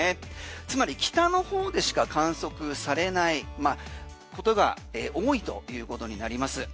つまり北の方でしか観測されないことが多いということになりますね。